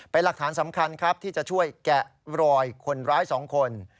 เป็นหลักฐานสำคัญครับที่จะช่วยแกะรอยคนร้าย๒คน